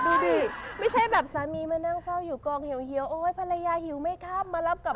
ดูดิไม่ใช่แบบสามีมานั่งเฝ้าอยู่กองเหี่ยวโอ๊ยภรรยาหิวไหมครับมารับกลับ